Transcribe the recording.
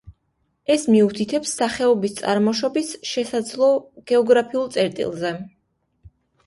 ეს მიუთითებს სახეობის წარმოშობის შესაძლო გეოგრაფიულ წერტილზე.